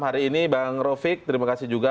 hari ini bang rofiq terima kasih juga